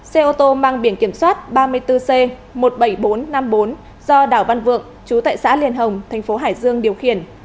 xe ô tô mang biển kiểm soát ba mươi bốn c một mươi bảy nghìn bốn trăm năm mươi bốn do đảo văn vượng chú tại xã liên hồng thành phố hải dương điều khiển